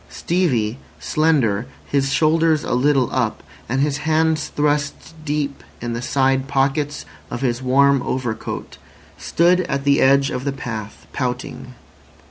Stevie, slender, his shoulders a little up, and his hands thrust deep in the side pockets of his warm overcoat, stood at the edge of the path, pouting.